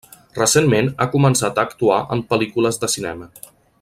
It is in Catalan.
Recentment ha començat a actuar en pel·lícules de cinema.